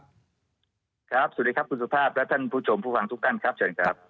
สวัสดีครับคุณสุภาพและท่านผู้ชมผู้ฟังทุกท่านครับเชิญครับ